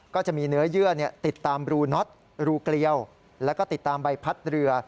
ก็จะมีเนื้อเยื่อติดตามรูน็อตรูเกลียวแล้วก็ติดตามใบพัดเรือ